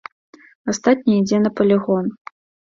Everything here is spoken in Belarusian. Астатняе ідзе на палігон.